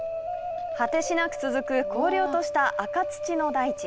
果てしなく続く荒涼とした赤土の大地。